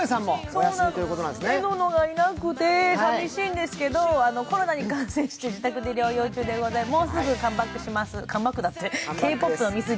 そうなんです、えののがいなくて寂しいんですけど、コロナに感染して自宅で療養中でございます、もうすぐカムバックします。